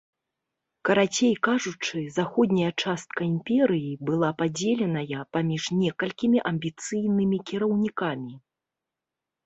Карацей кажучы, заходняя частка імперыі была падзеленая паміж некалькімі амбіцыйнымі кіраўнікамі.